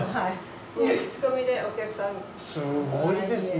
すごいですね。